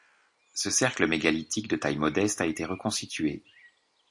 Ce cercle mégalithique de taille modeste a été reconstitué.